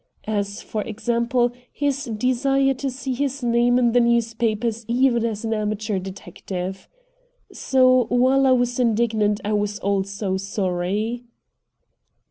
As, for example, his desire to see his name in the newspapers even as an amateur detective. So, while I was indignant I also was sorry.